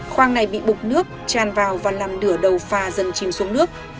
khoang này bị bục nước tràn vào và làm nửa đầu phà dần chìm xuống nước